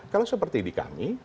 kalau seperti di kami